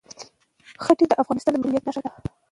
ښتې د افغانستان د ملي هویت نښه ده.